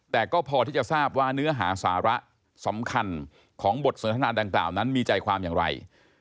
แต่ก็พอที่จะทราบว่าเนื้อหาสาระสำคัญของบทสนทนาดังกล่าวนั้นมีใจความอย่างไร